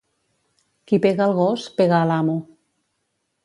Qui pega al gos, pega a l'amo.